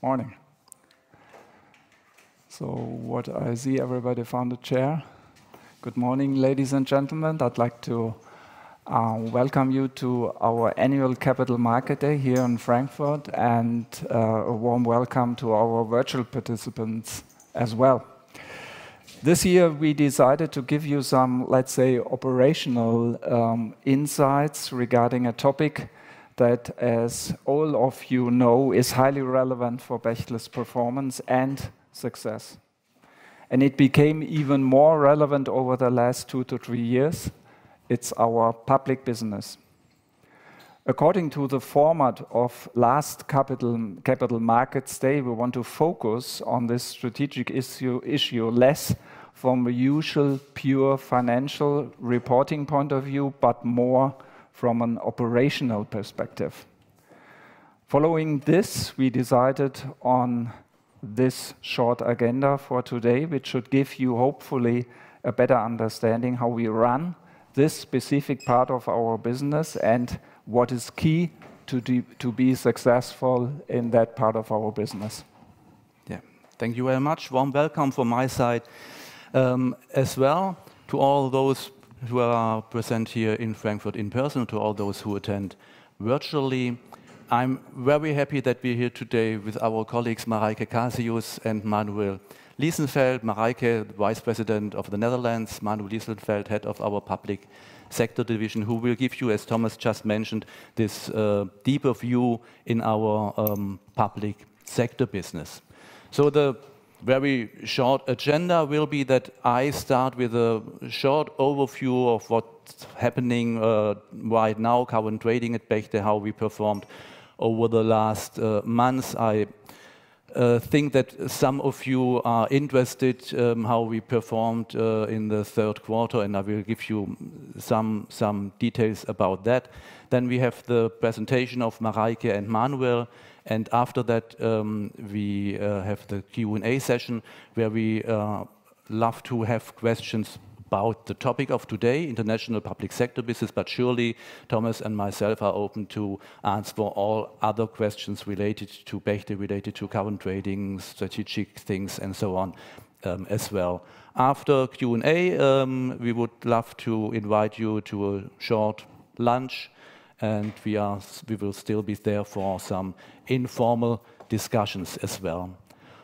Morning. So what I see, everybody found a chair. Good morning, ladies and gentlemen. I'd like to welcome you to our annual Capital Markets Day here in Frankfurt, and a warm welcome to our virtual participants as well. This year, we decided to give you some, let's say, operational insights regarding a topic that, as all of you know, is highly relevant for Bechtle's performance and success. And it became even more relevant over the last two to three years. It's our public business. According to the format of last Capital Markets Day, we want to focus on this strategic issue less from a usual pure financial reporting point of view, but more from an operational perspective. Following this, we decided on this short agenda for today, which should give you, hopefully, a better understanding of how we run this specific part of our business and what is key to be successful in that part of our business. Yeah, thank you very much. Warm welcome from my side as well to all those who are present here in Frankfurt in person, to all those who attend virtually. I'm very happy that we're here today with our colleagues, Marijke Kasius and Manuel Liesenfeld. Marijke, Vice President of the Netherlands. Manuel Liesenfeld, Head of our Public Sector Division, who will give you, as Thomas just mentioned, this deeper view in our public sector business. So the very short agenda will be that I start with a short overview of what's happening right now, current trading at Bechtle, how we performed over the last months. I think that some of you are interested in how we performed in the third quarter, and I will give you some details about that. Then we have the presentation of Marijke and Manuel, and after that, we have the Q&A session where we love to have questions about the topic of today, international public sector business. But surely Thomas and myself are open to answer all other questions related to Bechtle, related to current trading, strategic things, and so on as well. After Q&A, we would love to invite you to a short lunch, and we will still be there for some informal discussions as well.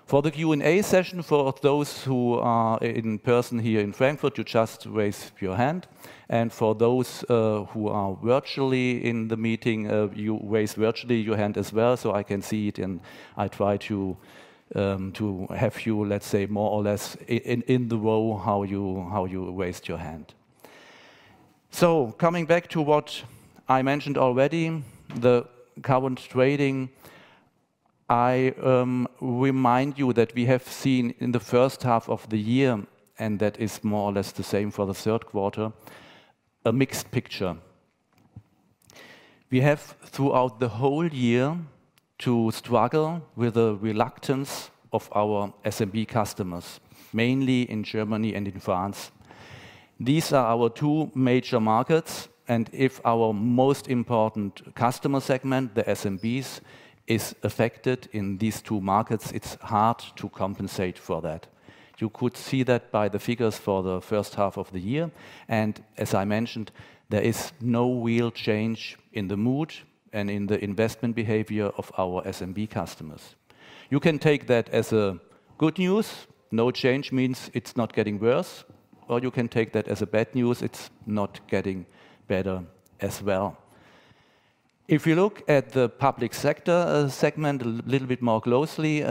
For the Q&A session, for those who are in person here in Frankfurt, you just raise your hand. And for those who are virtually in the meeting, you raise virtually your hand as well so I can see it, and I try to have you, let's say, more or less in the row how you raised your hand. Coming back to what I mentioned already, the current trading, I remind you that we have seen in the first half of the year, and that is more or less the same for the third quarter, a mixed picture. We have, throughout the whole year, to struggle with the reluctance of our SMB customers, mainly in Germany and in France. These are our two major markets, and if our most important customer segment, the SMBs, is affected in these two markets, it's hard to compensate for that. You could see that by the figures for the first half of the year. And as I mentioned, there is no real change in the mood and in the investment behavior of our SMB customers. You can take that as good news. No change means it's not getting worse, or you can take that as bad news. It's not getting better as well. If you look at the Public Sector segment a little bit more closely,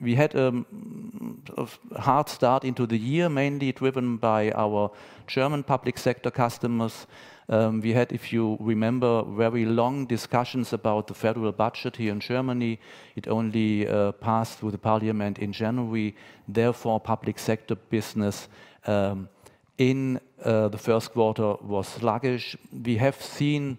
we had a hard start into the year, mainly driven by our German Public Sector customers. We had, if you remember, very long discussions about the federal budget here in Germany. It only passed through the parliament in January. Therefore, Public Sector business in the first quarter was sluggish. We have seen,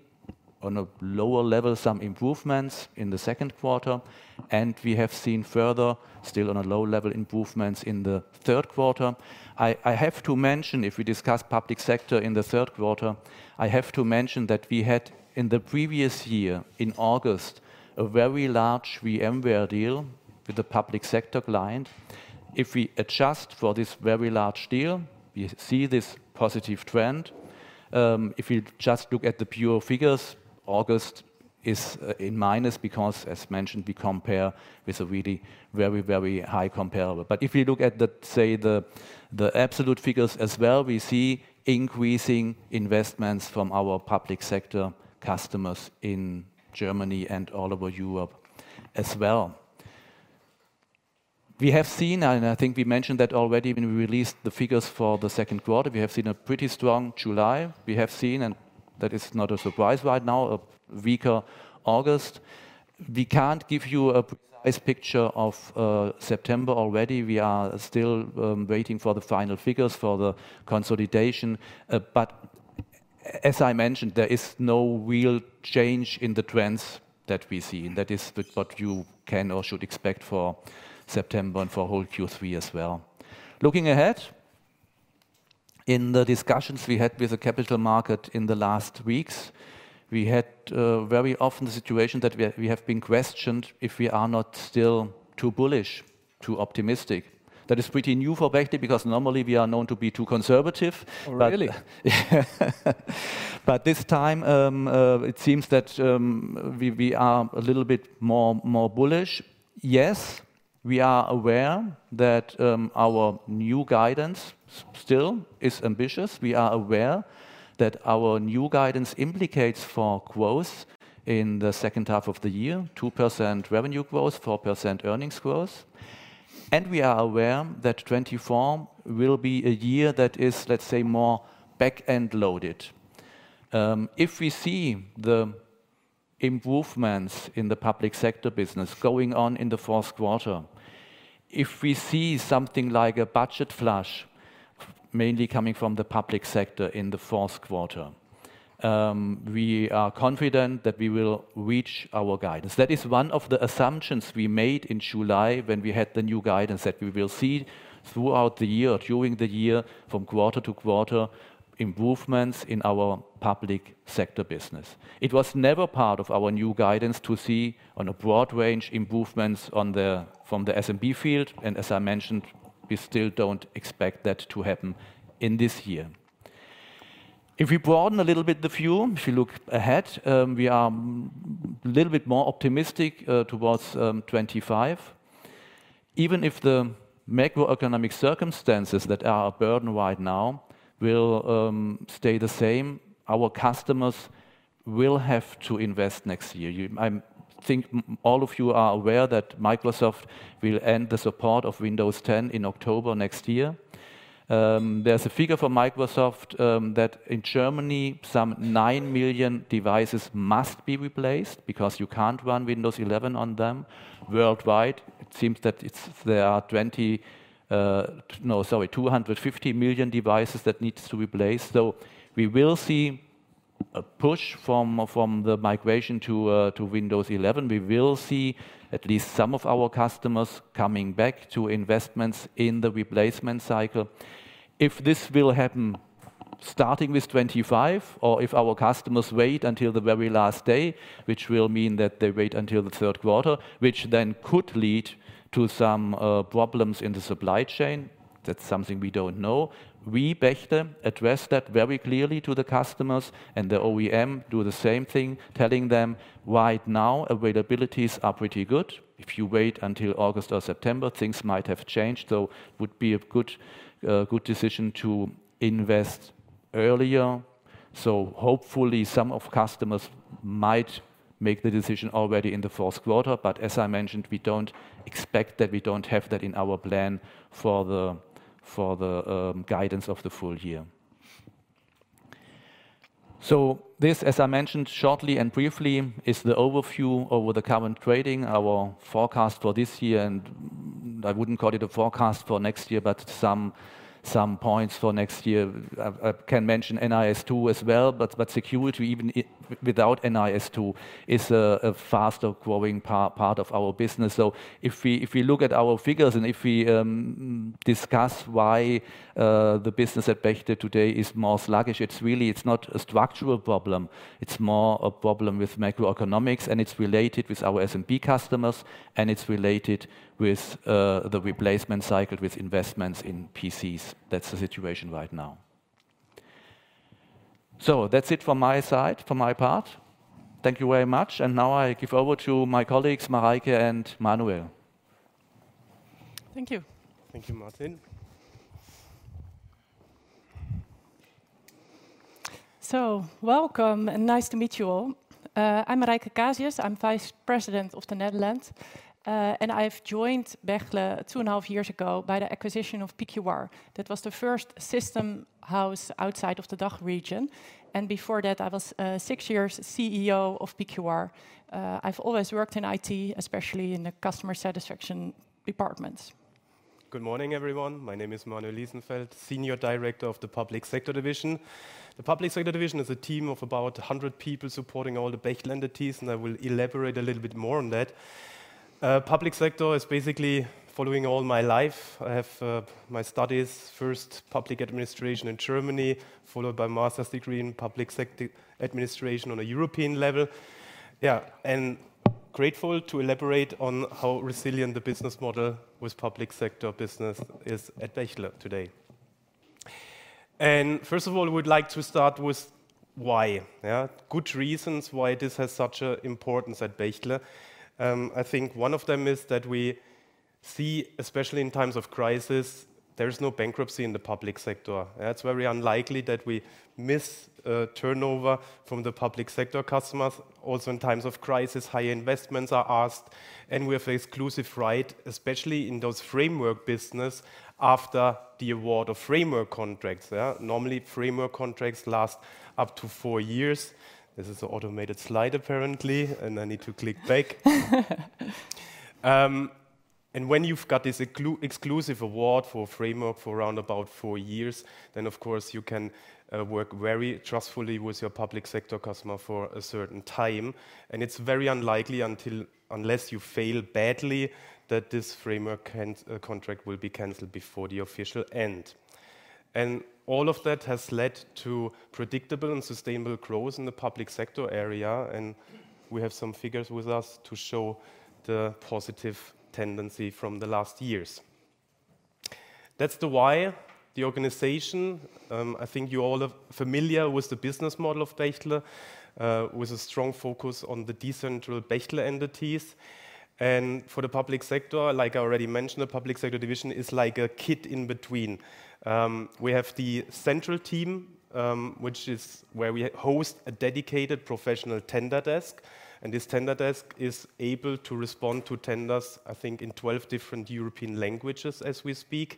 on a lower level, some improvements in the second quarter, and we have seen further, still on a low level, improvements in the third quarter. I have to mention, if we discuss Public Sector in the third quarter, I have to mention that we had, in the previous year, in August, a very large VMware deal with a Public Sector client. If we adjust for this very large deal, we see this positive trend. If we just look at the pure figures, August is in minus because, as mentioned, we compare with a really very, very high comparable. But if we look at, say, the absolute figures as well, we see increasing investments from our public sector customers in Germany and all over Europe as well. We have seen, and I think we mentioned that already when we released the figures for the second quarter, we have seen a pretty strong July. We have seen, and that is not a surprise right now, a weaker August. We can't give you a precise picture of September already. We are still waiting for the final figures for the consolidation. But as I mentioned, there is no real change in the trends that we see. That is what you can or should expect for September and for whole Q3 as well. Looking ahead, in the discussions we had with the capital market in the last weeks, we had very often the situation that we have been questioned if we are not still too bullish, too optimistic. That is pretty new for Bechtle because normally we are known to be too conservative. Really? But this time, it seems that we are a little bit more bullish. Yes, we are aware that our new guidance still is ambitious. We are aware that our new guidance implicates for growth in the second half of the year, 2% revenue growth, 4% earnings growth. And we are aware that 2024 will be a year that is, let's say, more back-end loaded. If we see the improvements in the public sector business going on in the fourth quarter, if we see something like a budget flush, mainly coming from the public sector in the fourth quarter, we are confident that we will reach our guidance. That is one of the assumptions we made in July when we had the new guidance that we will see throughout the year, during the year, from quarter to quarter, improvements in our public sector business. It was never part of our new guidance to see on a broad range improvements from the SMB field, and as I mentioned, we still don't expect that to happen in this year. If we broaden a little bit the view, if you look ahead, we are a little bit more optimistic towards 2025. Even if the macroeconomic circumstances that are a burden right now will stay the same, our customers will have to invest next year. I think all of you are aware that Microsoft will end the support of Windows 10 in October next year. There's a figure from Microsoft that in Germany, some nine million devices must be replaced because you can't run Windows 11 on them. Worldwide, it seems that there are 20, no, sorry, 250 million devices that need to be replaced, so we will see a push from the migration to Windows 11. We will see at least some of our customers coming back to investments in the replacement cycle. If this will happen starting with 2025, or if our customers wait until the very last day, which will mean that they wait until the third quarter, which then could lead to some problems in the supply chain, that's something we don't know. We Bechtle address that very clearly to the customers, and the OEM do the same thing, telling them right now availabilities are pretty good. If you wait until August or September, things might have changed. So it would be a good decision to invest earlier. So hopefully some of customers might make the decision already in the fourth quarter. But as I mentioned, we don't expect that. We don't have that in our plan for the guidance of the full year. So this, as I mentioned shortly and briefly, is the overview over the current trading, our forecast for this year. And I wouldn't call it a forecast for next year, but some points for next year. I can mention NIS2 as well, but security even without NIS2 is a faster growing part of our business. So if we look at our figures and if we discuss why the business at Bechtle today is more sluggish, it's really not a structural problem. It's more a problem with macroeconomics, and it's related with our SMB customers, and it's related with the replacement cycle with investments in PCs. That's the situation right now. So that's it from my side, from my part. Thank you very much. And now I give over to my colleagues, Marijke and Manuel. Thank you. Thank you, Martin. Welcome and nice to meet you all. I'm Marijke Kasius. I'm Vice President of the Netherlands, and I've joined Bechtle two and a half years ago by the acquisition of PQR. That was the first system house outside of the DACH region. Before that, I was six years CEO of PQR. I've always worked in IT, especially in the customer satisfaction departments. Good morning, everyone. My name is Manuel Liesenfeld, Senior Director of the Public Sector Division. The Public Sector Division is a team of about 100 people supporting all the Bechtle entities, and I will elaborate a little bit more on that. Public Sector is basically following all my life. I have my studies, first public administration in Germany, followed by a master's degree in public sector administration on a European level. Yeah, and grateful to elaborate on how resilient the business model with public sector business is at Bechtle today, and first of all, we'd like to start with why. Good reasons why this has such an importance at Bechtle. I think one of them is that we see, especially in times of crisis, there is no bankruptcy in the public sector. It's very unlikely that we miss turnover from the public sector customers. Also, in times of crisis, higher investments are asked, and we have exclusive right, especially in those framework business, after the award of framework contracts. Normally, framework contracts last up to four years. This is an automated slide, apparently, and I need to click back. And when you've got this exclusive award for framework for around about four years, then of course you can work very trustfully with your public sector customer for a certain time. And it's very unlikely, unless you fail badly, that this framework contract will be canceled before the official end. And all of that has led to predictable and sustainable growth in the public sector area. And we have some figures with us to show the positive tendency from the last years. That's why the organization, I think you all are familiar with the business model of Bechtle, with a strong focus on the decentralized Bechtle entities, and for the public sector, like I already mentioned, the public sector division is like a link in between. We have the central team, which is where we host a dedicated professional tender desk, and this tender desk is able to respond to tenders, I think, in 12 different European languages as we speak.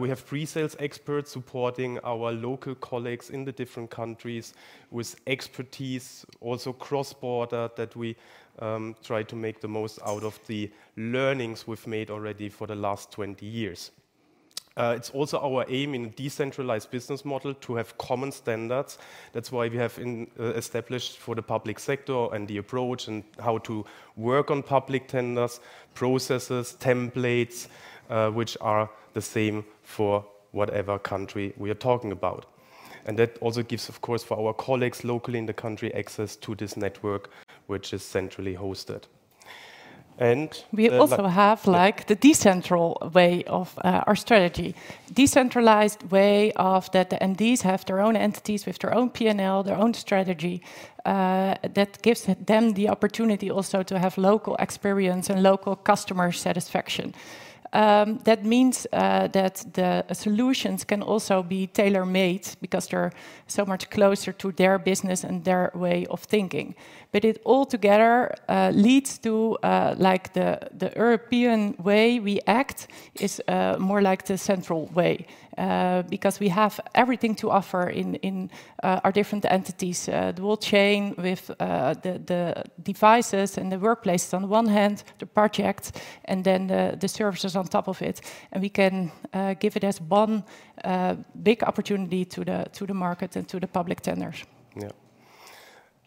We have pre-sales experts supporting our local colleagues in the different countries with expertise, also cross-border, that we try to make the most out of the learnings we've made already for the last 20 years. It's also our aim in a decentralized business model to have common standards. That's why we have established for the public sector and the approach and how to work on public tenders, processes, templates, which are the same for whatever country we are talking about, and that also gives, of course, for our colleagues locally in the country access to this network, which is centrally hosted. We also have like the decentralized way of our strategy, decentralized way of that, and these have their own entities with their own P&L, their own strategy. That gives them the opportunity also to have local experience and local customer satisfaction. That means that the solutions can also be tailor-made because they're so much closer to their business and their way of thinking, but it all together leads to like the European way we act is more like the central way because we have everything to offer in our different entities, the whole chain with the devices and the workplace on one hand, the project, and then the services on top of it, and we can give it as one big opportunity to the market and to the public tenders. Yeah,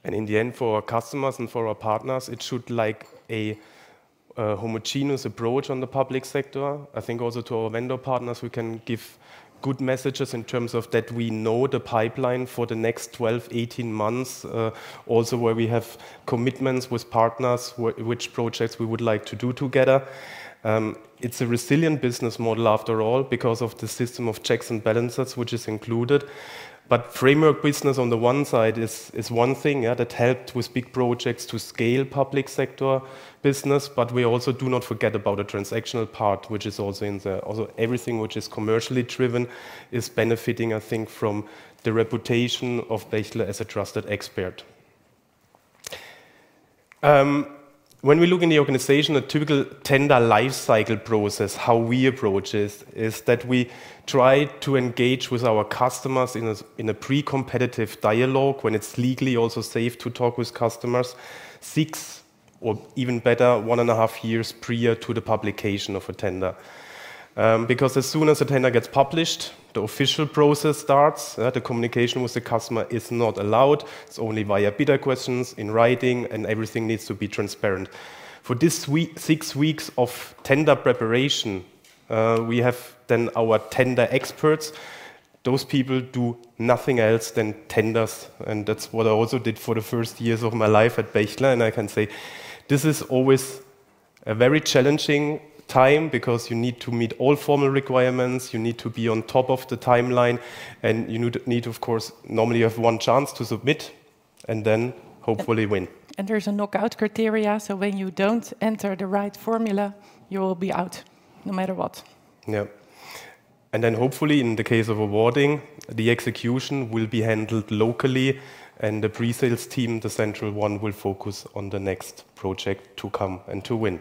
and in the end, for our customers and for our partners, it should look like a homogeneous approach on the public sector. I think, also to our vendor partners, we can give good messages in terms of that we know the pipeline for the next 12, 18 months, also where we have commitments with partners which projects we would like to do together. It's a resilient business model after all because of the system of checks and balances, which is included. Framework business on the one side is one thing that helped with big projects to scale public sector business, but we also do not forget about the transactional part, which is also in there. Also everything which is commercially driven is benefiting, I think, from the reputation of Bechtle as a trusted expert. When we look in the organization, a typical tender lifecycle process, how we approach it, is that we try to engage with our customers in a pre-competitive dialogue when it's legally also safe to talk with customers, six or even better, one and a half years prior to the publication of a tender. Because as soon as a tender gets published, the official process starts. The communication with the customer is not allowed. It's only via bidder questions in writing, and everything needs to be transparent. For these six weeks of tender preparation, we have then our tender experts. Those people do nothing else than tenders. And that's what I also did for the first years of my life at Bechtle. And I can say this is always a very challenging time because you need to meet all formal requirements. You need to be on top of the timeline, and you need, of course, normally you have one chance to submit and then hopefully win. There's a knockout criteria. When you don't enter the right formula, you will be out no matter what. Yeah. And then hopefully in the case of awarding, the execution will be handled locally, and the pre-sales team, the central one, will focus on the next project to come and to win.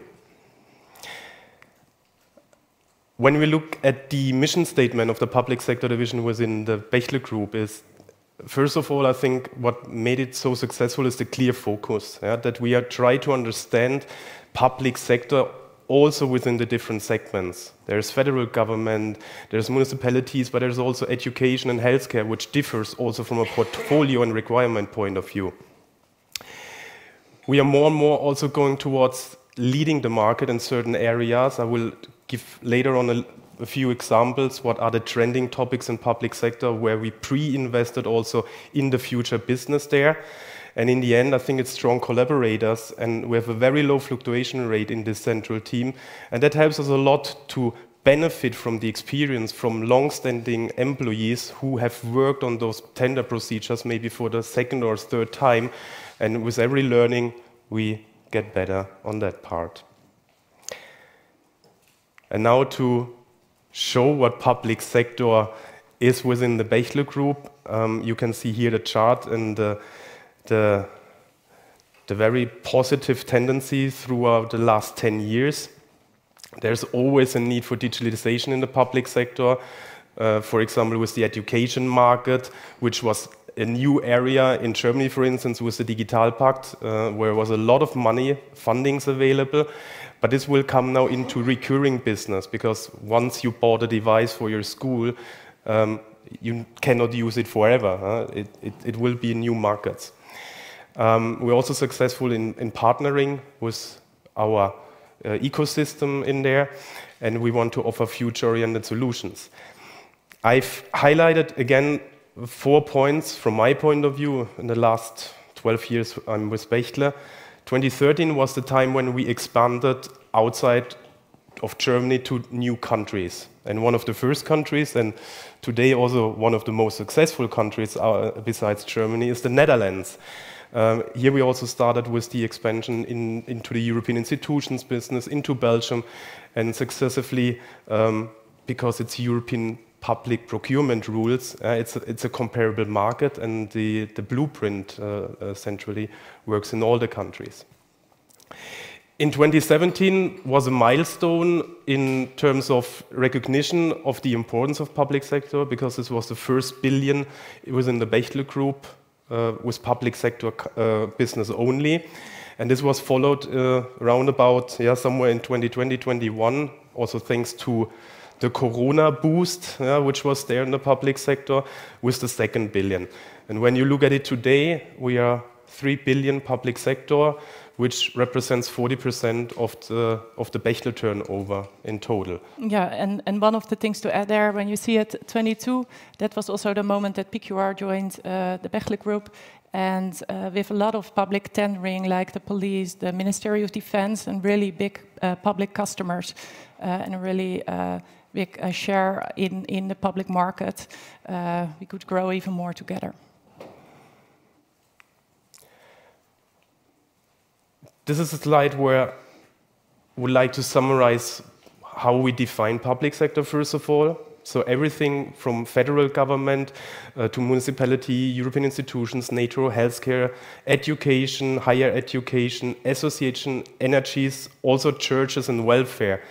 When we look at the mission statement of the Public Sector Division within the Bechtle Group, first of all, I think what made it so successful is the clear focus that we try to understand Public Sector also within the different segments. There is federal government, there are municipalities, but there's also education and healthcare, which differs also from a portfolio and requirement point of view. We are more and more also going towards leading the market in certain areas. I will give later on a few examples what are the trending topics in Public Sector where we pre-invested also in the future business there. In the end, I think it's strong collaborators, and we have a very low fluctuation rate in the central team. That helps us a lot to benefit from the experience from long-standing employees who have worked on those tender procedures maybe for the second or third time. With every learning, we get better on that part. Now to show what Public Sector is within the Bechtle Group, you can see here the chart and the very positive tendencies throughout the last 10 years. There's always a need for digitalization in the public sector. For example, with the education market, which was a new area in Germany, for instance, with the DigitalPakt, where there was a lot of money funding available. This will come now into recurring business because once you bought a device for your school, you cannot use it forever. It will be new markets. We're also successful in partnering with our ecosystem in there, and we want to offer future-oriented solutions. I've highlighted again four points from my point of view in the last 12 years I'm with Bechtle. 2013 was the time when we expanded outside of Germany to new countries, and one of the first countries, and today also one of the most successful countries besides Germany, is the Netherlands. Here we also started with the expansion into the European institutions business, into Belgium, and successively because it's European public procurement rules, it's a comparable market, and the blueprint essentially works in all the countries. In 2017 was a milestone in terms of recognition of the importance of public sector because this was the first billion within the Bechtle Group with public sector business only. This was followed round about somewhere in 2020, 2021, also thanks to the corona boost, which was there in the public sector with the second billion. When you look at it today, we are 3 billion public sector, which represents 40% of the Bechtle turnover in total. Yeah, and one of the things to add there, when you see at 2022, that was also the moment that PQR joined the Bechtle group, and we have a lot of public tendering, like the police, the Ministry of Defense, and really big public customers and a really big share in the public market. We could grow even more together. This is a slide where we'd like to summarize how we define public sector, first of all. So everything from federal government to municipality, European institutions, national, healthcare, education, higher education, associations, energy, also churches and welfare.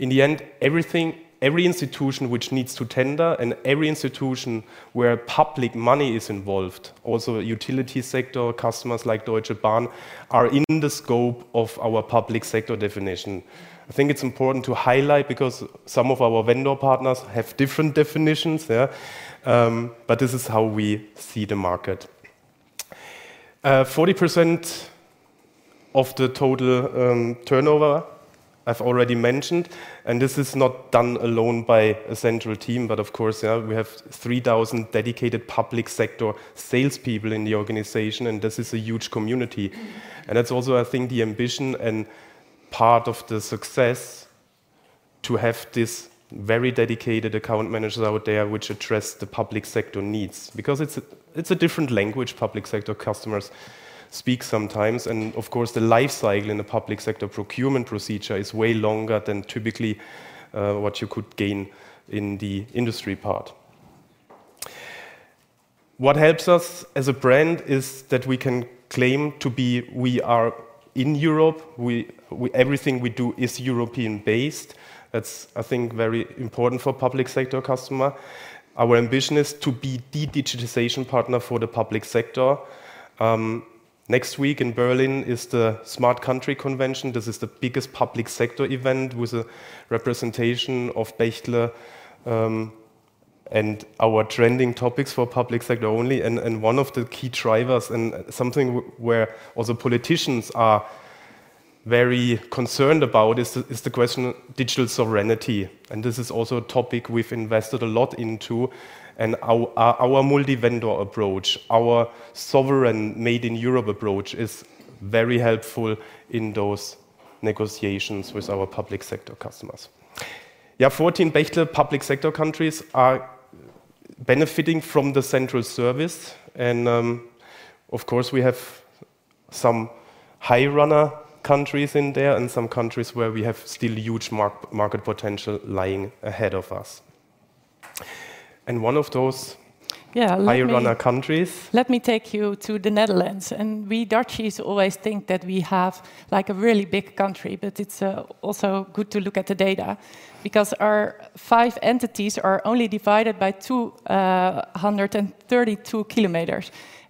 In the end, everything, every institution which needs to tender and every institution where public money is involved, also utility sector customers like Deutsche Bahn are in the scope of our public sector definition. I think it's important to highlight because some of our vendor partners have different definitions, but this is how we see the market. 40% of the total turnover I've already mentioned, and this is not done alone by a central team, but of course, we have 3,000 dedicated public sector salespeople in the organization, and this is a huge community. And that's also, I think, the ambition and part of the success to have these very dedicated account managers out there which address the public sector needs because it's a different language public sector customers speak sometimes. And of course, the lifecycle in the public sector procurement procedure is way longer than typically what you could gain in the industry part. What helps us as a brand is that we can claim to be we are in Europe. Everything we do is European-based. That's, I think, very important for public sector customers. Our ambition is to be the digitization partner for the public sector. Next week in Berlin is the Smart Country Convention. This is the biggest public sector event with a representation of Bechtle and our trending topics for public sector only. One of the key drivers and something where also politicians are very concerned about is the question of digital sovereignty. This is also a topic we've invested a lot into. Our multi-vendor approach, our sovereign made in Europe approach is very helpful in those negotiations with our public sector customers. Yeah, 14 Bechtle public sector countries are benefiting from the central service. Of course, we have some high runner countries in there and some countries where we have still huge market potential lying ahead of us. One of those high runner countries. Let me take you to the Netherlands, and we Dutchies always think that we have like a really big country, but it's also good to look at the data because our five entities are only divided by 232 km,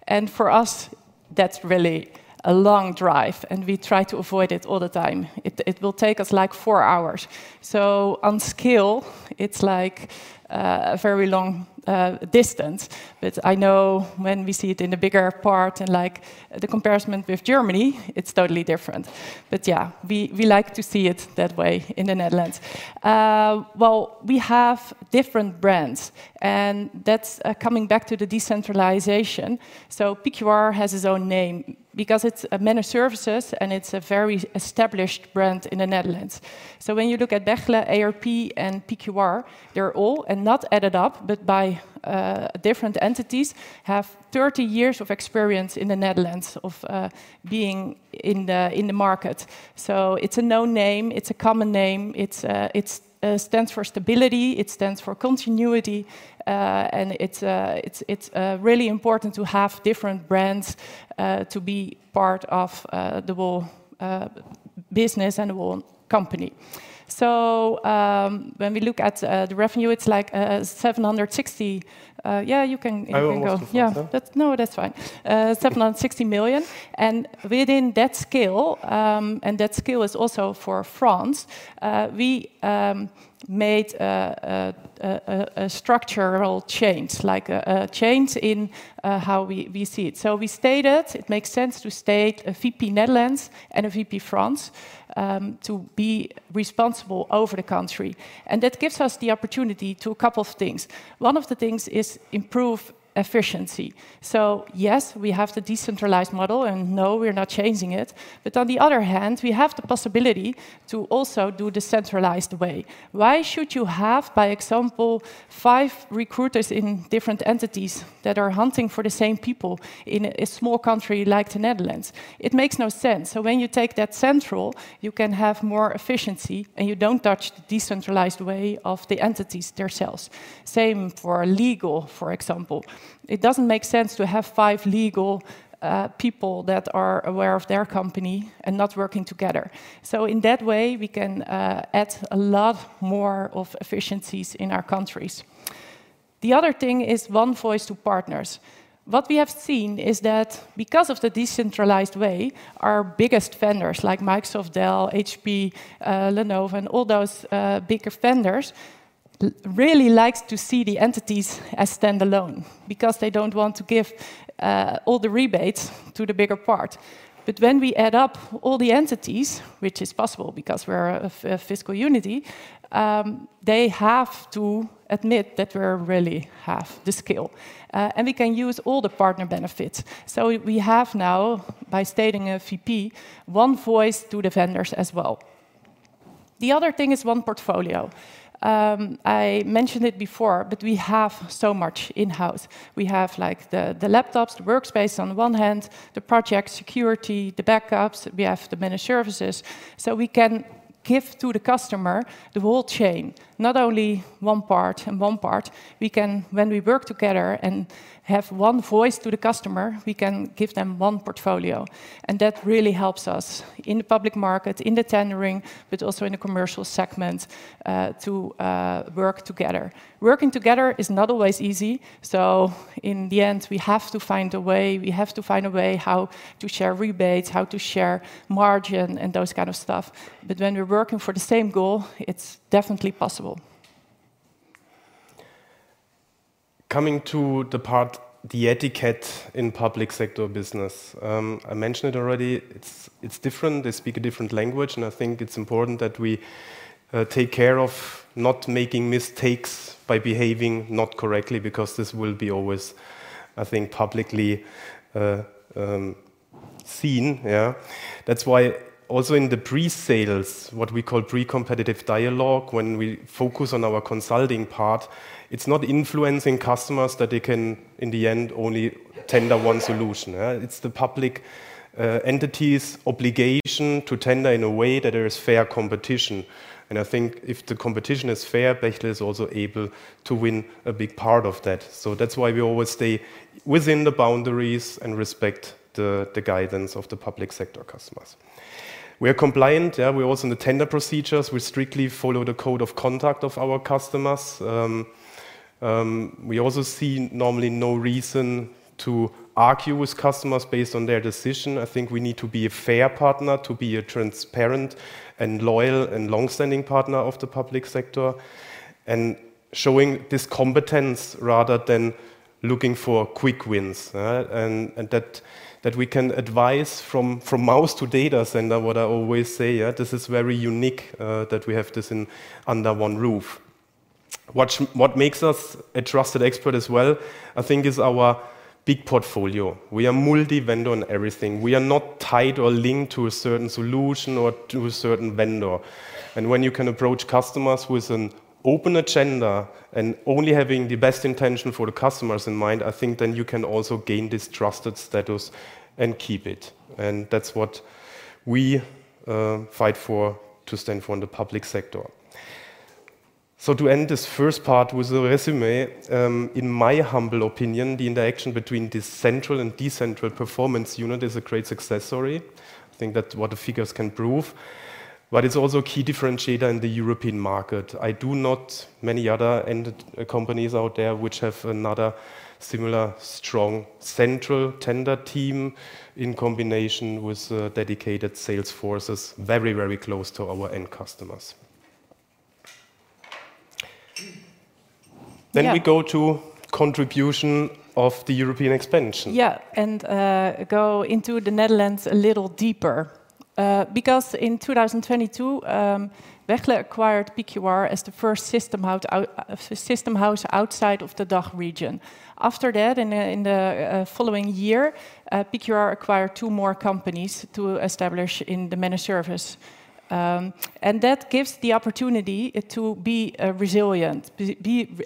and for us, that's really a long drive, and we try to avoid it all the time. It will take us like four hours, so on scale, it's like a very long distance, but I know when we see it in the bigger part and like the comparison with Germany, it's totally different, but yeah, we like to see it that way in the Netherlands, well, we have different brands, and that's coming back to the decentralization, so PQR has its own name because it's a managed services, and it's a very established brand in the Netherlands. When you look at Bechtle, ARP, and PQR, they're all, and not added up, but by different entities, have 30 years of experience in the Netherlands of being in the market. It's a known name. It's a common name. It stands for stability. It stands for continuity. It's really important to have different brands to be part of the whole business and the whole company. When we look at the revenue, it's like 760. Yeah, you can go. Yeah. No, that's fine. 760 million. Within that scale, and that scale is also for France, we made a structural change, like a change in how we see it. We stated it makes sense to state a VP Netherlands and a VP France to be responsible over the country. That gives us the opportunity to a couple of things. One of the things is improve efficiency. So yes, we have the decentralized model, and no, we're not changing it. But on the other hand, we have the possibility to also do the centralized way. Why should you have, for example, five recruiters in different entities that are hunting for the same people in a small country like the Netherlands? It makes no sense. So when you take that central, you can have more efficiency, and you don't touch the decentralized way of the entities themselves. Same for legal, for example. It doesn't make sense to have five legal people that are aware of their company and not working together. So in that way, we can add a lot more of efficiencies in our countries. The other thing is one voice to partners. What we have seen is that because of the decentralized way, our biggest vendors like Microsoft, Dell, HP, Lenovo, and all those bigger vendors really like to see the entities as standalone because they don't want to give all the rebates to the bigger part, but when we add up all the entities, which is possible because we're a fiscal unity, they have to admit that we really have the skill, and we can use all the partner benefits, so we have now, by stating a VP, one voice to the vendors as well. The other thing is one portfolio. I mentioned it before, but we have so much in-house. We have the laptops, the workspace on one hand, the project security, the backups. We have the managed services, so we can give to the customer the whole chain, not only one part and one part. When we work together and have one voice to the customer, we can give them one portfolio, and that really helps us in the public market, in the tendering, but also in the commercial segment to work together. Working together is not always easy, so in the end, we have to find a way. We have to find a way how to share rebates, how to share margin, and those kinds of stuff, but when we're working for the same goal, it's definitely possible. Coming to the part, the etiquette in public sector business. I mentioned it already. It's different. They speak a different language. And I think it's important that we take care of not making mistakes by behaving not correctly because this will be always, I think, publicly seen. That's why also in the pre-sales, what we call pre-competitive dialogue, when we focus on our consulting part, it's not influencing customers that they can in the end only tender one solution. It's the public entity's obligation to tender in a way that there is fair competition. And I think if the competition is fair, Bechtle is also able to win a big part of that. So that's why we always stay within the boundaries and respect the guidance of the public sector customers. We are compliant. We're also in the tender procedures. We strictly follow the code of conduct of our customers. We also see normally no reason to argue with customers based on their decision. I think we need to be a fair partner, to be a transparent and loyal and long-standing partner of the public sector, and showing this competence rather than looking for quick wins. And that we can advise from mouse to data center, what I always say. This is very unique that we have this under one roof. What makes us a trusted expert as well, I think, is our big portfolio. We are multi-vendor in everything. We are not tied or linked to a certain solution or to a certain vendor. And when you can approach customers with an open agenda and only having the best intention for the customers in mind, I think then you can also gain this trusted status and keep it. That's what we fight for to stand for in the public sector. To end this first part with a resume, in my humble opinion, the interaction between the central and decentral performance unit is a great success story. I think that what the figures can prove, but it's also a key differentiator in the European market. I don't see many other companies out there which have a similar strong central tender team in combination with dedicated sales forces very, very close to our end customers. We go to contribution of the European expansion. Yeah, and go into the Netherlands a little deeper because in 2022, Bechtle acquired PQR as the first system house outside of the DACH region. After that, in the following year, PQR acquired two more companies to establish in the managed services. And that gives the opportunity to be resilient,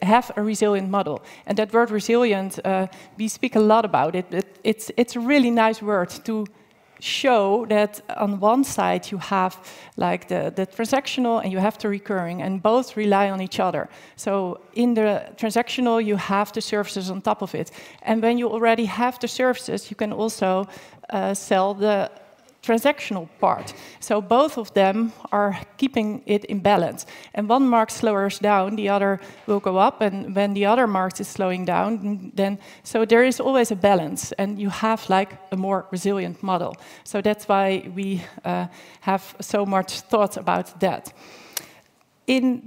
have a resilient model. And that word resilient, we speak a lot about it. It's a really nice word to show that on one side, you have the transactional and you have the recurring, and both rely on each other, so in the transactional, you have the services on top of it, and when you already have the services, you can also sell the transactional part, so both of them are keeping it in balance, and one arm slows down, the other will go up. When the other market is slowing down, then so there is always a balance, and you have a more resilient model. That's why we have so much thought about that.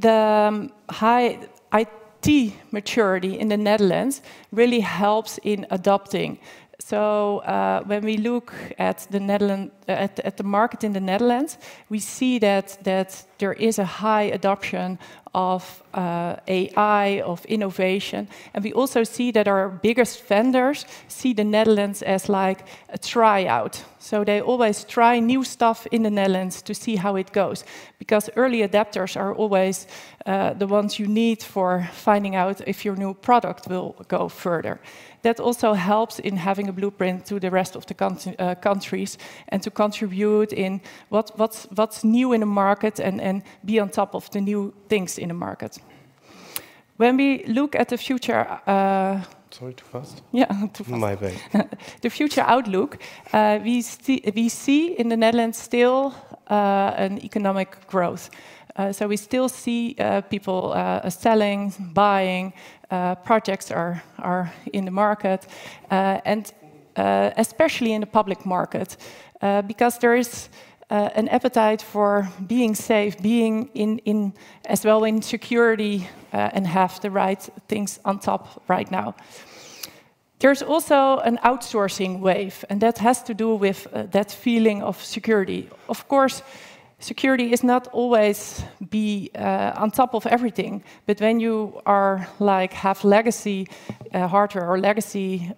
The high IT maturity in the Netherlands really helps in adopting. When we look at the market in the Netherlands, we see that there is a high adoption of AI, of innovation. We also see that our biggest vendors see the Netherlands as like a tryout. They always try new stuff in the Netherlands to see how it goes because early adopters are always the ones you need for finding out if your new product will go further. That also helps in having a blueprint to the rest of the countries and to contribute in what's new in the market and be on top of the new things in the market. When we look at the future. Sorry, too fast. Yeah, too fast. On my way. The future outlook, we see in the Netherlands still an economic growth. So we still see people selling, buying, projects are in the market, and especially in the public market because there is an appetite for being safe, being as well in security and have the right things on top right now. There's also an outsourcing wave, and that has to do with that feeling of security. Of course, security is not always be on top of everything, but when you have legacy hardware or legacy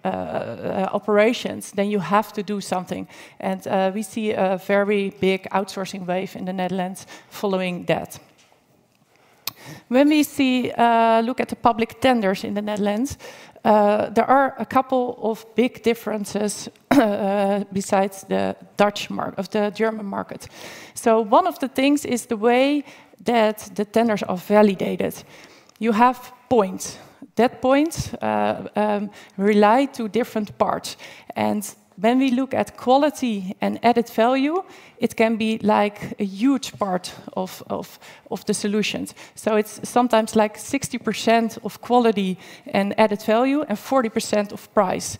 operations, then you have to do something. And we see a very big outsourcing wave in the Netherlands following that. When we look at the public tenders in the Netherlands, there are a couple of big differences between the Dutch market and the German market. So one of the things is the way that the tenders are validated. You have points. That point relates to different parts. When we look at quality and added value, it can be like a huge part of the solutions. It's sometimes like 60% of quality and added value and 40% of price.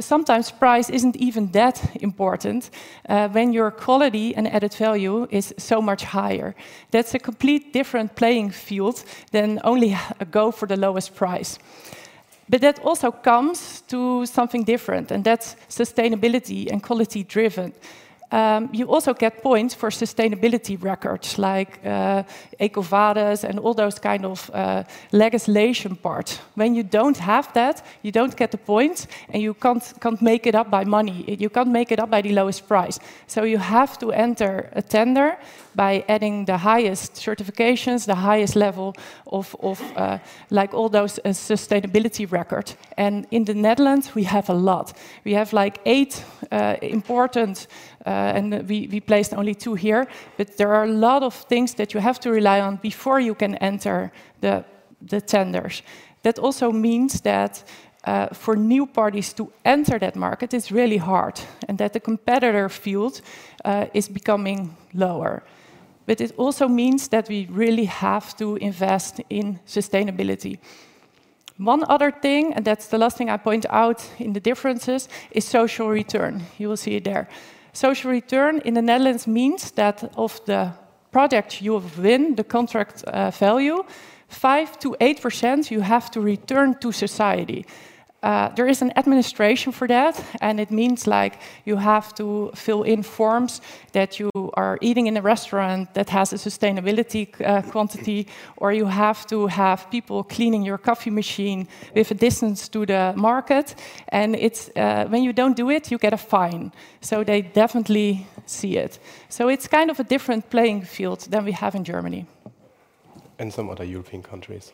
Sometimes price isn't even that important when your quality and added value is so much higher. That's a completely different playing field than only going for the lowest price. That also comes to something different, and that's sustainability and quality driven. You also get points for sustainability records like EcoVadis and all those kinds of legislation parts. When you don't have that, you don't get the points, and you can't make it up by money. You can't make it up by the lowest price. You have to enter a tender by adding the highest certifications, the highest level of like all those sustainability records. In the Netherlands, we have a lot. We have like eight important, and we placed only two here, but there are a lot of things that you have to rely on before you can enter the tenders. That also means that for new parties to enter that market, it's really hard and that the competitor field is becoming lower. It also means that we really have to invest in sustainability. One other thing, and that's the last thing I point out in the differences, is Social Return. You will see it there. Social Return in the Netherlands means that of the project you have win, the contract value, 5%-8%, you have to return to society. There is an administration for that, and it means like you have to fill in forms that you are eating in a restaurant that has a sustainability quantity, or you have to have people cleaning your coffee machine with a distance to the market, and when you don't do it, you get a fine, so they definitely see it, so it's kind of a different playing field than we have in Germany. Some other European countries.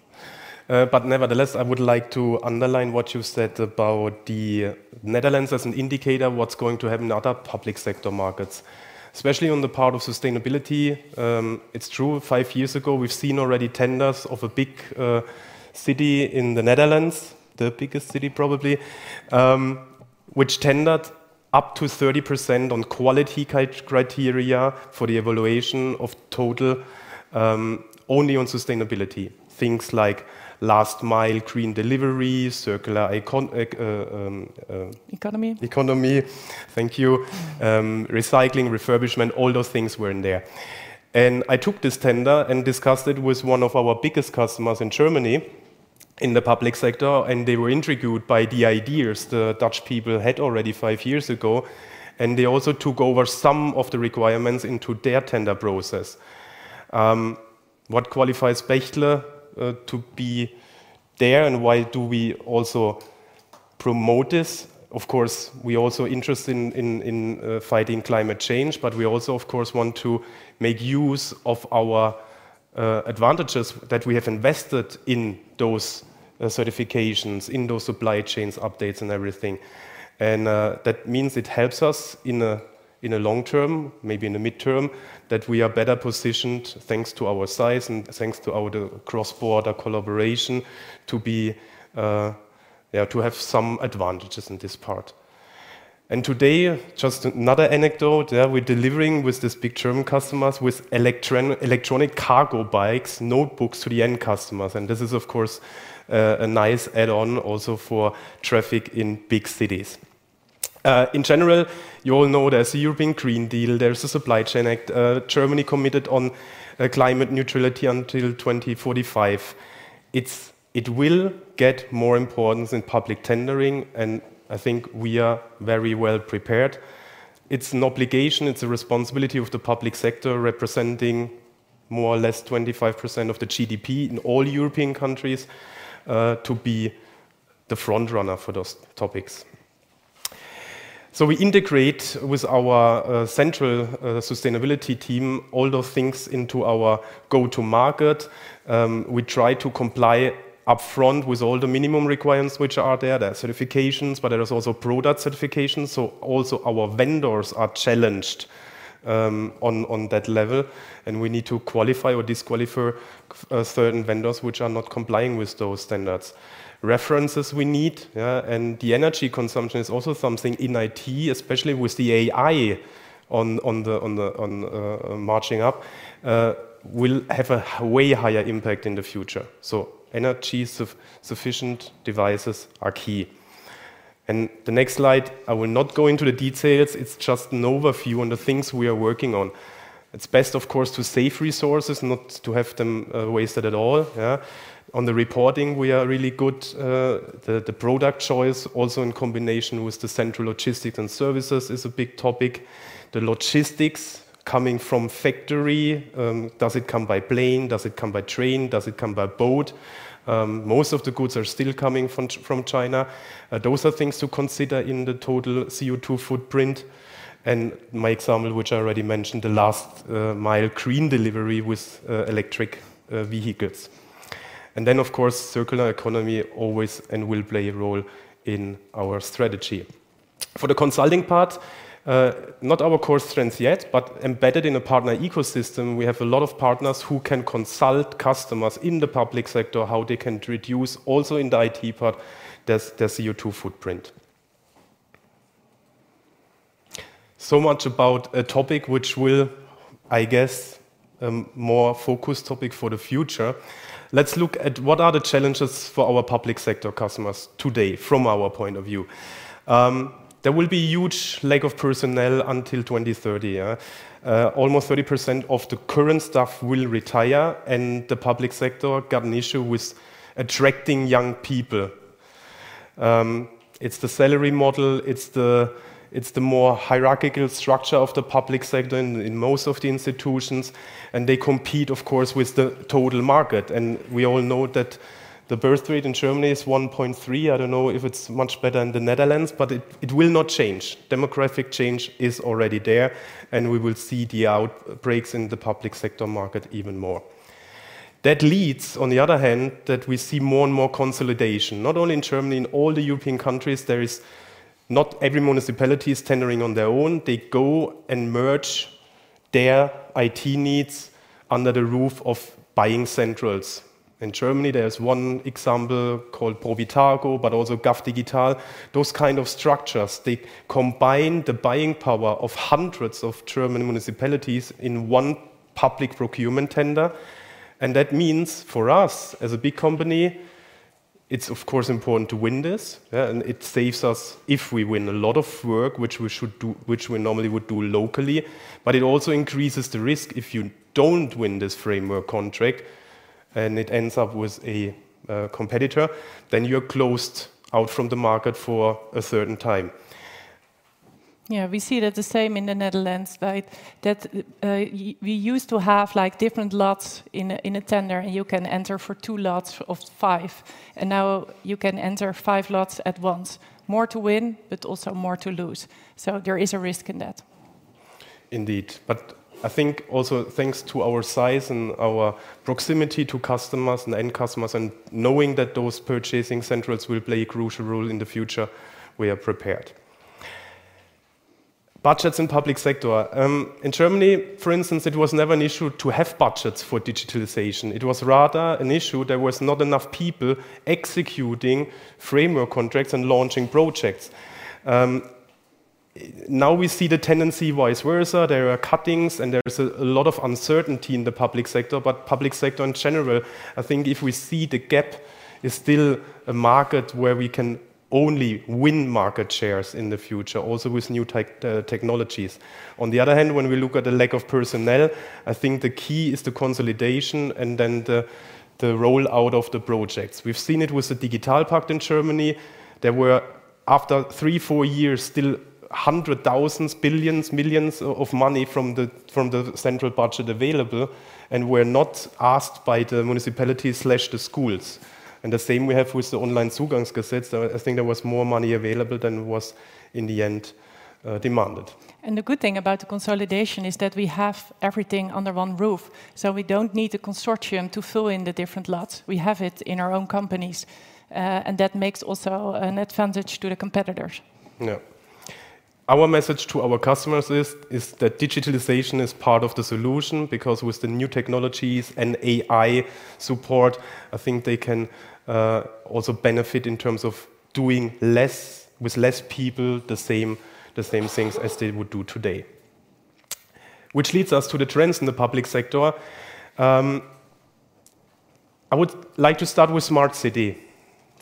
Nevertheless, I would like to underline what you said about the Netherlands as an indicator of what's going to happen in other public sector markets, especially on the part of sustainability. It's true. Five years ago, we've seen already tenders of a big city in the Netherlands, the biggest city probably, which tendered up to 30% on quality criteria for the evaluation of total only on sustainability. Things like last mile green delivery, circular. Economy. Economy. Thank you. Recycling, refurbishment, all those things were in there. I took this tender and discussed it with one of our biggest customers in Germany in the public sector, and they were intrigued by the ideas the Dutch people had already five years ago. They also took over some of the requirements into their tender process. What qualifies Bechtle to be there, and why do we also promote this? Of course, we are also interested in fighting climate change, but we also, of course, want to make use of our advantages that we have invested in those certifications, in those supply chains updates and everything. That means it helps us in the long term, maybe in the midterm, that we are better positioned thanks to our size and thanks to our cross-border collaboration to have some advantages in this part. Today, just another anecdote, we're delivering with these big German customers with electronic cargo bikes, notebooks to the end customers. This is, of course, a nice add-on also for traffic in big cities. In general, you all know there's the European Green Deal. There's the Supply Chain Act. Germany committed on climate neutrality until 2045. It will get more importance in public tendering, and I think we are very well prepared. It's an obligation. It's a responsibility of the public sector representing more or less 25% of the GDP in all European countries to be the front runner for those topics. We integrate with our central sustainability team all those things into our go-to-market. We try to comply upfront with all the minimum requirements which are there, the certifications, but there are also product certifications. So, also our vendors are challenged on that level, and we need to qualify or disqualify certain vendors which are not complying with those standards. References we need, and the energy consumption is also something in IT, especially with the AI marching up, will have a way higher impact in the future. So energy sufficient devices are key. And the next slide, I will not go into the details. It's just an overview on the things we are working on. It's best, of course, to save resources, not to have them wasted at all. On the reporting, we are really good. The product choice, also in combination with the central logistics and services, is a big topic. The logistics coming from factory, does it come by plane? Does it come by train? Does it come by boat? Most of the goods are still coming from China. Those are things to consider in the total CO2 footprint. And my example, which I already mentioned, the last mile green delivery with electric vehicles. And then, of course, circular economy always and will play a role in our strategy. For the consulting part, not our core strengths yet, but embedded in a partner ecosystem, we have a lot of partners who can consult customers in the public sector, how they can reduce also in the IT part their CO2 footprint. So much about a topic which will, I guess, more focus topic for the future. Let's look at what are the challenges for our public sector customers today from our point of view. There will be a huge lack of personnel until 2030. Almost 30% of the current staff will retire, and the public sector got an issue with attracting young people. It's the salary model. It's the more hierarchical structure of the public sector in most of the institutions, and they compete, of course, with the total market. We all know that the birth rate in Germany is 1.3. I don't know if it's much better in the Netherlands, but it will not change. Demographic change is already there, and we will see the outbreaks in the public sector market even more. That leads, on the other hand, that we see more and more consolidation, not only in Germany, in all the European countries. Not every municipality is tendering on their own. They go and merge their IT needs under the roof of buying centrals. In Germany, there's one example called ProVitako, but also govdigital. Those kinds of structures, they combine the buying power of hundreds of German municipalities in one public procurement tender. That means for us, as a big company, it's, of course, important to win this. It saves us, if we win, a lot of work, which we normally would do locally. It also increases the risk. If you don't win this framework contract and it ends up with a competitor, then you're closed out from the market for a certain time. Yeah, we see that the same in the Netherlands, right? That we used to have different lots in a tender, and you can enter for two lots of five. And now you can enter five lots at once. More to win, but also more to lose. So there is a risk in that. Indeed. But I think also thanks to our size and our proximity to customers and end customers and knowing that those purchasing centrals will play a crucial role in the future, we are prepared. Budgets in public sector. In Germany, for instance, it was never an issue to have budgets for digitalization. It was rather an issue there was not enough people executing framework contracts and launching projects. Now we see the tendency vice versa. There are cuttings, and there's a lot of uncertainty in the public sector. But public sector in general, I think if we see the gap, it's still a market where we can only win market shares in the future, also with new technologies. On the other hand, when we look at the lack of personnel, I think the key is the consolidation and then the rollout of the projects. We've seen it with the DigitalPakt in Germany. There were, after three, four years, still hundred thousands, billions, millions of money from the central budget available, and were not asked by the municipalities/the schools, and the same we have with the Onlinezugangsgesetz. I think there was more money available than was in the end demanded. The good thing about the consolidation is that we have everything under one roof. We don't need a consortium to fill in the different lots. We have it in our own companies, and that makes also an advantage to the competitors. Yeah. Our message to our customers is that digitalization is part of the solution because with the new technologies and AI support, I think they can also benefit in terms of doing less with less people the same things as they would do today, which leads us to the trends in the Public Sector. I would like to start with Smart City.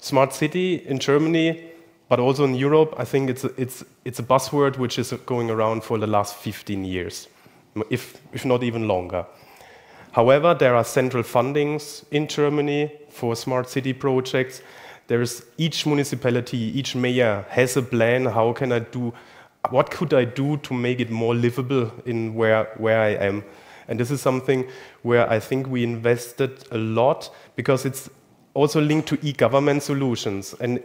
Smart City in Germany, but also in Europe, I think it's a buzzword which is going around for the last 15 years, if not even longer. However, there are central fundings in Germany for Smart City projects. Each municipality, each mayor has a plan. How can I do? What could I do to make it more livable in where I am? This is something where I think we invested a lot because it's also linked to e-government solutions, and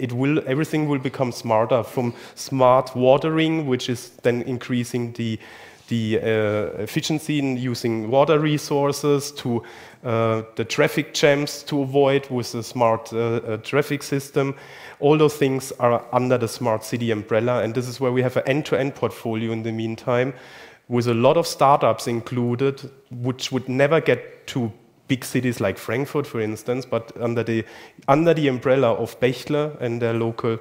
everything will become smarter from smart watering, which is then increasing the efficiency in using water resources to the traffic jams to avoid with the smart traffic system. All those things are under the Smart City umbrella, and this is where we have an end-to-end portfolio in the meantime with a lot of startups included, which would never get to big cities like Frankfurt, for instance, but under the umbrella of Bechtle and their local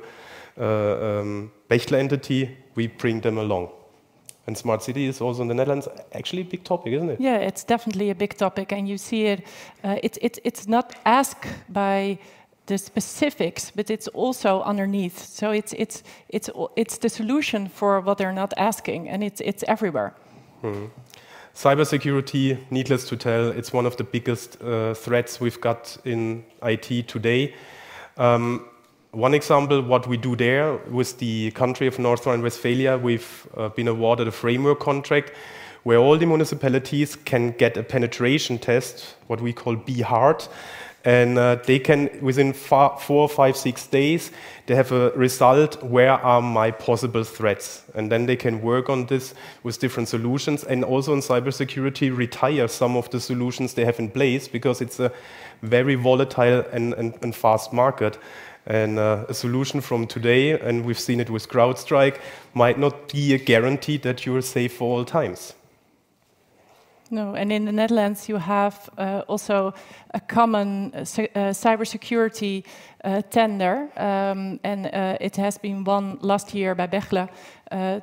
Bechtle entity, we bring them along. Smart City is also in the Netherlands, actually a big topic, isn't it? Yeah, it's definitely a big topic, and you see it. It's not asked by the specifics, but it's also underneath. So it's the solution for what they're not asking, and it's everywhere. Cybersecurity, needless to tell, it's one of the biggest threats we've got in IT today. One example, what we do there with the country of North Rhine-Westphalia, we've been awarded a framework contract where all the municipalities can get a penetration test, what we call BHART, and they can, within four, five, six days, they have a result, where are my possible threats? And then they can work on this with different solutions and also in cybersecurity retire some of the solutions they have in place because it's a very volatile and fast market. And a solution from today, and we've seen it with CrowdStrike, might not be a guarantee that you're safe for all times. No. And in the Netherlands, you have also a common cybersecurity tender, and it has been won last year by Bechtle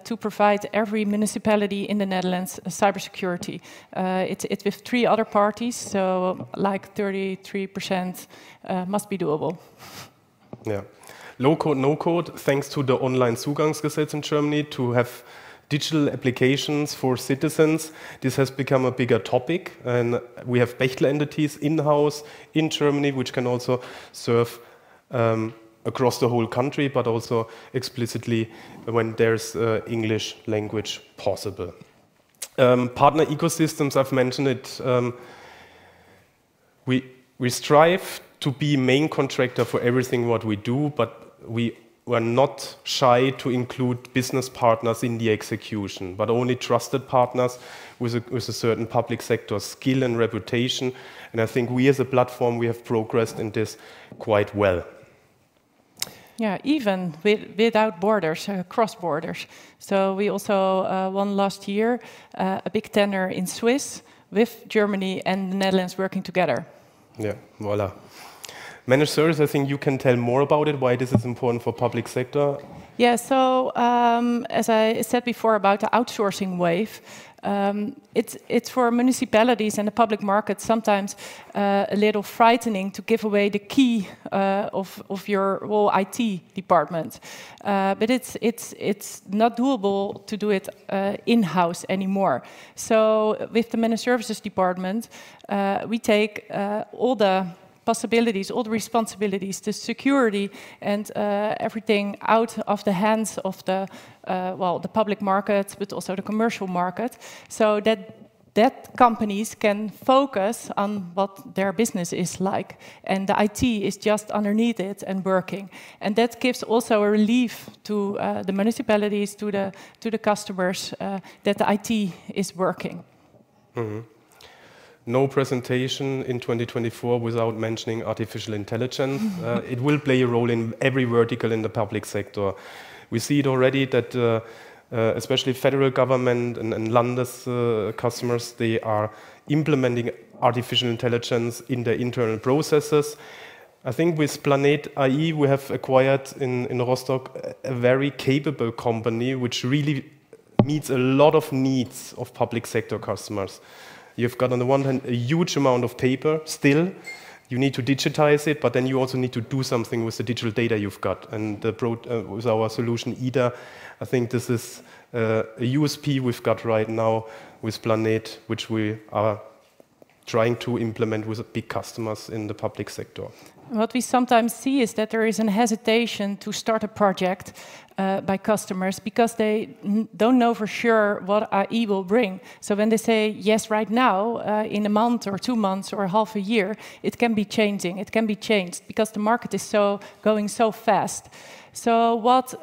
to provide every municipality in the Netherlands cybersecurity. It's with three other parties, so like 33% must be doable. Yeah. Low code, no code, thanks to the Onlinezugangsgesetz in Germany to have digital applications for citizens. This has become a bigger topic, and we have Bechtle entities in-house in Germany, which can also serve across the whole country, but also explicitly when there's English language possible. Partner ecosystems, I've mentioned it. We strive to be main contractor for everything what we do, but we were not shy to include business partners in the execution, but only trusted partners with a certain public sector skill and reputation, and I think we as a platform, we have progressed in this quite well. Yeah, even without borders, cross borders. So we also won last year a big tender in Switzerland with Germany and the Netherlands working together. Yeah, voilà. Managed service, I think you can tell more about it, why this is important for public sector. Yeah, so as I said before about the outsourcing wave, it's for municipalities and the public market sometimes a little frightening to give away the key of your whole IT department. But it's not doable to do it in-house anymore. So with the managed services department, we take all the possibilities, all the responsibilities, the security, and everything out of the hands of the public market, but also the commercial market, so that companies can focus on what their business is like, and the IT is just underneath it and working. And that gives also a relief to the municipalities, to the customers, that the IT is working. No presentation in 2024 without mentioning artificial intelligence. It will play a role in every vertical in the public sector. We see it already that especially federal government and Länder's customers, they are implementing artificial intelligence in their internal processes. I think with Planet AI, we have acquired in Rostock a very capable company which really meets a lot of needs of public sector customers. You've got on the one hand a huge amount of paper still. You need to digitize it, but then you also need to do something with the digital data you've got. And with our solution, IDA, I think this is a USP we've got right now with Planet, which we are trying to implement with big customers in the public sector. What we sometimes see is that there is a hesitation to start a project by customers because they don't know for sure what AI will bring. So when they say yes right now, in a month or two months or half a year, it can be changing. It can be changed because the market is going so fast. So what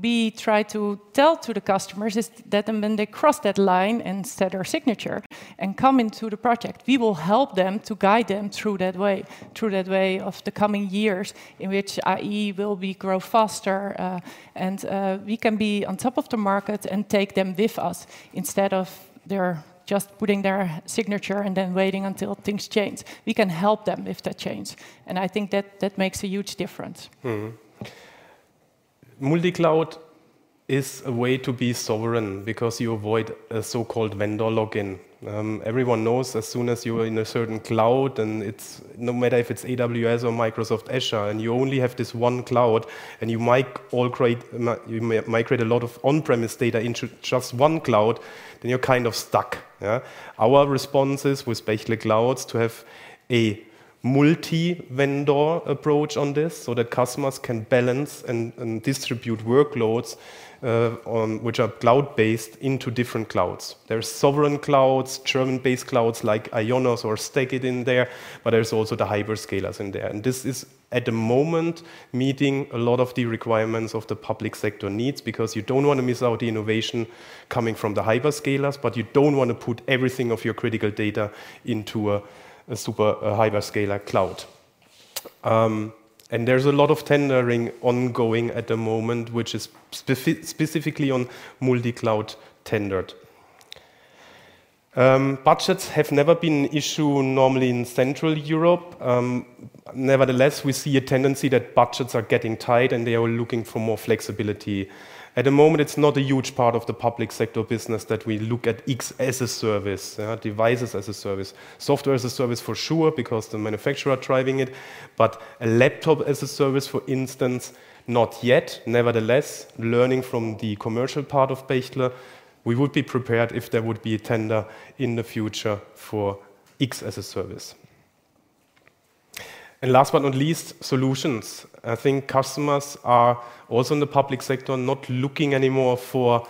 we try to tell to the customers is that when they cross that line and set their signature and come into the project, we will help them to guide them through that way of the coming years in which AI will grow faster, and we can be on top of the market and take them with us instead of they're just putting their signature and then waiting until things change. We can help them if that changes. And I think that makes a huge difference. Multicloud is a way to be sovereign because you avoid a so-called vendor lock-in. Everyone knows as soon as you're in a certain cloud, and it's no matter if it's AWS or Microsoft Azure, and you only have this one cloud, and you might create a lot of on-premises data into just one cloud, then you're kind of stuck. Our response is with Bechtle Clouds to have a multi-vendor approach on this so that customers can balance and distribute workloads, which are cloud-based, into different clouds. There are sovereign clouds, German-based clouds like IONOS or STACKIT in there, but there's also the hyperscalers in there. This is at the moment meeting a lot of the requirements of the public sector needs because you don't want to miss out on the innovation coming from the hyperscalers, but you don't want to put everything of your critical data into a super hyperscaler cloud. There's a lot of tendering ongoing at the moment, which is specifically on multi-cloud tenders. Budgets have never been an issue normally in Central Europe. Nevertheless, we see a tendency that budgets are getting tight, and they are looking for more flexibility. At the moment, it's not a huge part of the public sector business that we look at X as a service, devices as a service, software as a service for sure because the manufacturer is driving it, but a laptop as a service, for instance, not yet. Nevertheless, learning from the commercial part of Bechtle, we would be prepared if there would be a tender in the future for X as a service. And last but not least, solutions. I think customers are also in the public sector not looking anymore for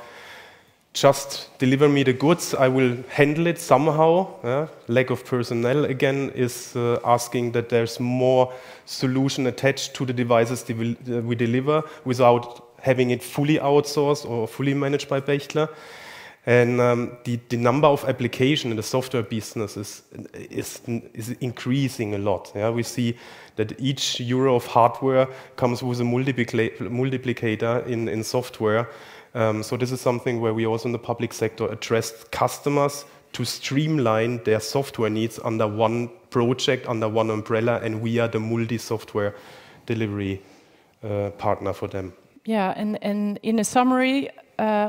just deliver me the goods. I will handle it somehow. Lack of personnel again is asking that there's more solution attached to the devices we deliver without having it fully outsourced or fully managed by Bechtle. And the number of applications in the software business is increasing a lot. We see that each euro of hardware comes with a multiplier in software. So this is something where we also in the public sector address customers to streamline their software needs under one project, under one umbrella, and we are the multi-software delivery partner for them. Yeah. And in a summary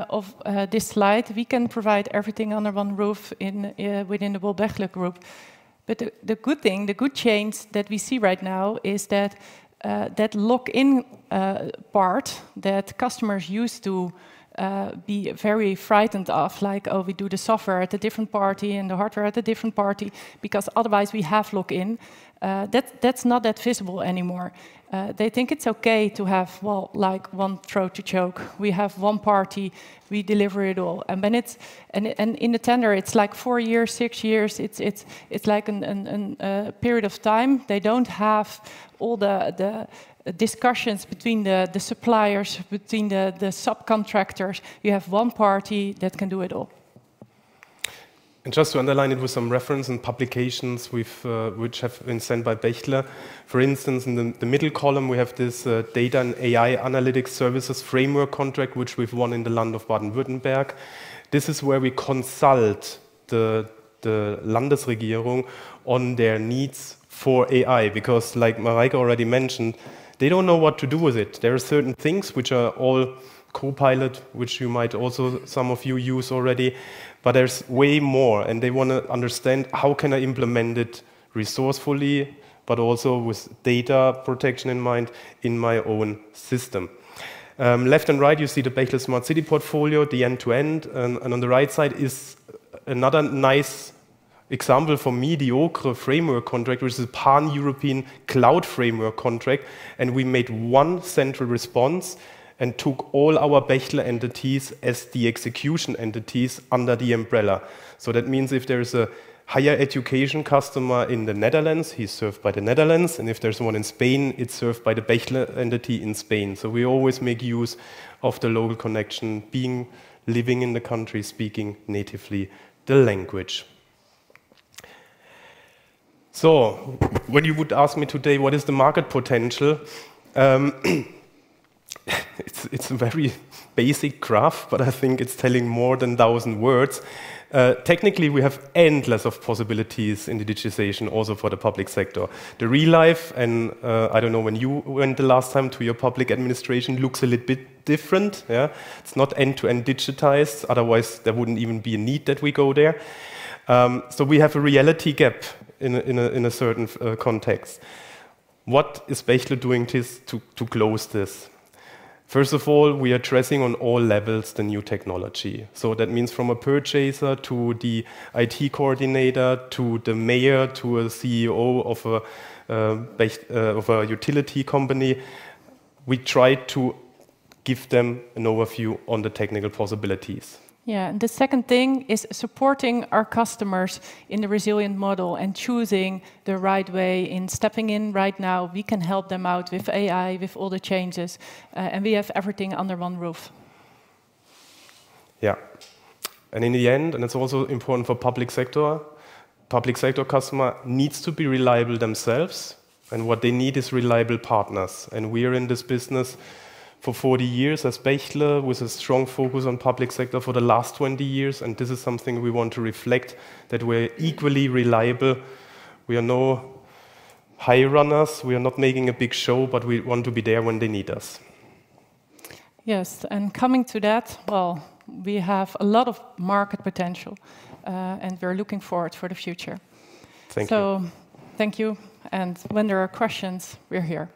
of this slide, we can provide everything under one roof within the Bechtle Group. But the good thing, the good change that we see right now is that lock-in part that customers used to be very frightened of, like, oh, we do the software at a different party and the hardware at a different party because otherwise we have lock-in, that's not that visible anymore. They think it's okay to have, well, like one throat to choke. We have one party. We deliver it all. And in the tender, it's like four years, six years. It's like a period of time. They don't have all the discussions between the suppliers, between the subcontractors. You have one party that can do it all. Just to underline it with some references and publications which have been sent by Bechtle. For instance, in the middle column, we have this data and AI analytics services framework contract, which we've won in the land of Baden-Württemberg. This is where we consult the Landesregierung on their needs for AI because, like Marijke already mentioned, they don't know what to do with it. There are certain things which are all Copilot, which you might also, some of you use already, but there's way more, and they want to understand how can I implement it resourcefully, but also with data protection in mind in my own system. Left and right, you see the Bechtle Smart City portfolio, the end-to-end, and on the right side is another nice example for multi-country framework contract, which is a pan-European cloud framework contract. And we made one central response and took all our Bechtle entities as the execution entities under the umbrella. So that means if there is a higher education customer in the Netherlands, he's served by the Netherlands, and if there's one in Spain, it's served by the Bechtle entity in Spain. So we always make use of the local connection, being living in the country, speaking natively the language. So when you would ask me today, what is the market potential? It's a very basic graph, but I think it's telling more than a thousand words. Technically, we have endless possibilities in the digitization also for the public sector. The real life, and I don't know when you went the last time to your public administration, looks a little bit different. It's not end-to-end digitized. Otherwise, there wouldn't even be a need that we go there. We have a reality gap in a certain context. What is Bechtle doing to close this? First of all, we are addressing on all levels the new technology. So that means from a purchaser to the IT coordinator to the mayor to a CEO of a utility company, we try to give them an overview on the technical possibilities. Yeah, and the second thing is supporting our customers in the resilient model and choosing the right way in stepping in right now. We can help them out with AI, with all the changes, and we have everything under one roof. Yeah. And in the end, and it's also important for public sector. Public sector customer needs to be reliable themselves, and what they need is reliable partners. And we are in this business for 40 years as Bechtle with a strong focus on public sector for the last 20 years, and this is something we want to reflect that we're equally reliable. We are no high runners. We are not making a big show, but we want to be there when they need us. Yes. And coming to that, well, we have a lot of market potential, and we're looking forward for the future. Thank you. Thank you. When there are questions, we're here.